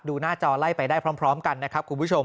หน้าจอไล่ไปได้พร้อมกันนะครับคุณผู้ชม